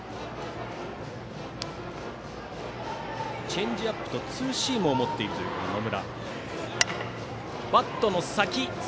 チェンジアップとツーシームを持っている野村。